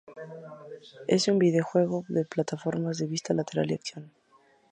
Es un videojuego de plataformas de vista lateral y acción.